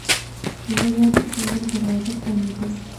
ژبه د شعور دروازه پرانیزي